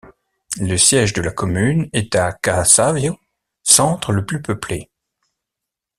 Le siège de la commune est Cà Savio, centre le plus peuplé.